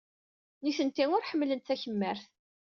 Nitenti ur ḥemmlent takemmart.